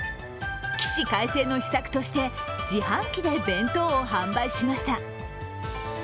起死回生の秘策として、自販機で弁当を販売しました。